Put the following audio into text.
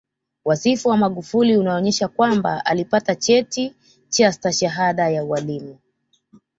Wasifu wa Magufuli unaonyesha kwamba alipata cheti cha Stashahada ya ualimu